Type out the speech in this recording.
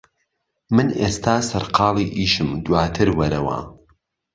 من ئیستا سەرقاڵی ئیشم دواتر وەرەوە